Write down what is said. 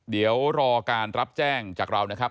เดี๋ยวรอการรับแจ้งจากเรานะครับ